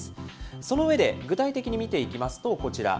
その上で、具体的に見ていきますとこちら。